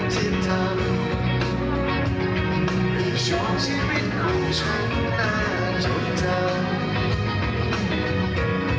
ที่ทำให้ช่วงชีวิตของฉันอาจจดดับ